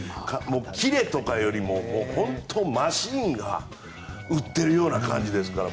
キレとかよりも本当にマシンが打っているような感じですから。